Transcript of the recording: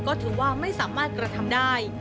ก็ถือว่าไม่สามารถกระทำได้